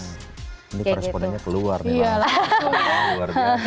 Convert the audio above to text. ini koresponannya keluar nih